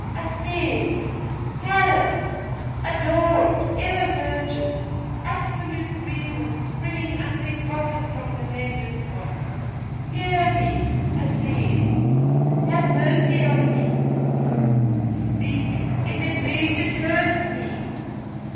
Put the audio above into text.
'Athene! Pallas! Adored! Ever Virgin! Absolute reason, springing unbegotten from the nameless One! Hear me! Athene! Have mercy on me! Speak, if it be to curse me!